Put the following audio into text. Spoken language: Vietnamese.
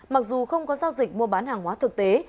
mặc dù không có giao dịch mua bán hàng hóa thực tế